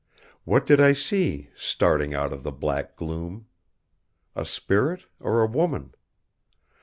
What did I see, starting out of the black gloom? A spirit or a woman?